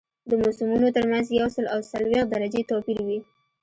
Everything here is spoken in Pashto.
د موسمونو ترمنځ یو سل او څلوېښت درجې توپیر وي